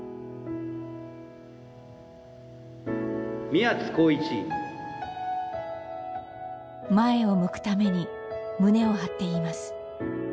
「宮津航一」前を向くために胸を張って言います。